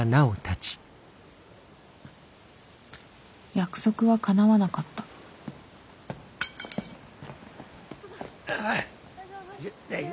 約束はかなわなかった大丈夫？